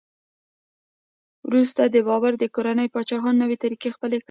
وروسته د بابر د کورنۍ پاچاهانو نوې طریقې خپلې کړې.